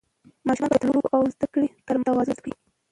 ماشوم باید د لوبو او زده کړې ترمنځ توازن زده کړي.